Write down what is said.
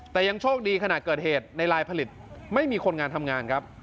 แต่ยังโชคดีขณะเกิดเหตุในลายผลิตไม่มีคนงานทำงานครับ